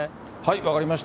分かりました。